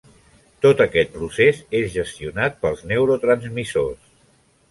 Tot aquest procés és gestionat pels neurotransmissors.